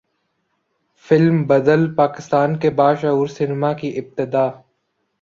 film بدل پاکستان کے باشعور سینما کی ابتدا